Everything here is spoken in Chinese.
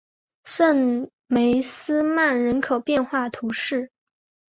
圣梅斯曼人口变化图示